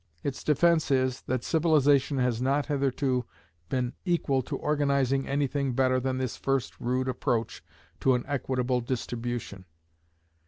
Its defence is, that civilization has not hitherto been equal to organizing anything better than this first rude approach to an equitable distribution.